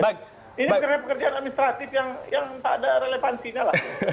ini karena pekerjaan administrasi yang tidak ada relevansinya lah